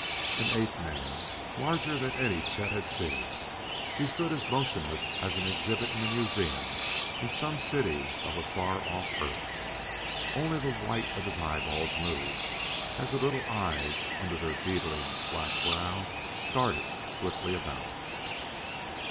An ape man larger than any Chet had seen: he stood as motionless as an exhibit in a museum in some city of a far off Earth. Only the white of his eyeballs moved as the little eyes, under their beetling black brows, darted swiftly about.